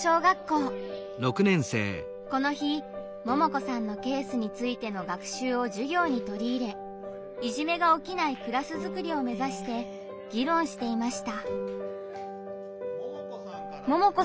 この日ももこさんのケースについての学習を授業に取り入れいじめが起きないクラスづくりを目指して議論していました。